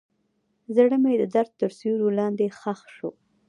زړه مې د درد تر سیوري لاندې ښخ شو.